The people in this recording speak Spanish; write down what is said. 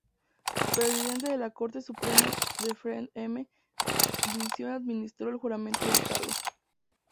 Presidente de la Corte Suprema de Fred M. Vinson administró el juramento del cargo.